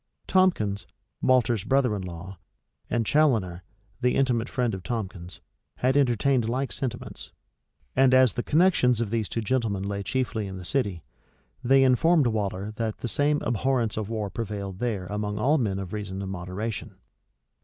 Tomkins, Waller's brother in law, and Chaloner, the intimate friend of Tomkins, had entertained like sentiments: and as the connections of these two gentlemen lay chiefly in the city, they informed Waller that the same abhorrence of war prevailed there among all men of reason and moderation.